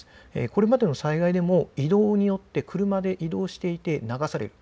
これまでの災害でも移動によって車で移動していて流される。